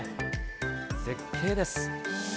絶景です。